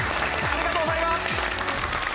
ありがとうございます。